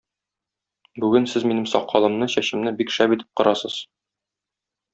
Бүген сез минем сакалымны, чәчемне бик шәп итеп кырасыз.